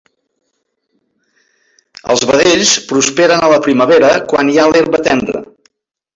Els vedells prosperen a la primavera quan hi ha l'herba tendra.